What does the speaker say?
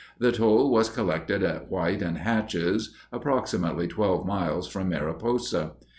The toll was collected at White and Hatch's, approximately twelve miles from Mariposa.